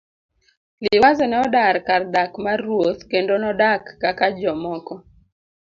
Liwazo ne odar kar dak mar ruoth kendo nodak kaka jomoko.